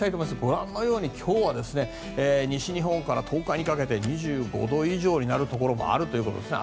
ご覧のように今日は西日本から東海にかけて２５度以上になるところもあるということですね。